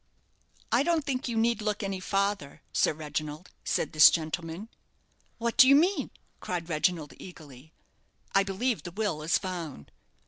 "I don't think you need look any farther, Sir Reginald," said this gentleman. "What do you mean?" cried Reginald, eagerly. "I believe the will is found."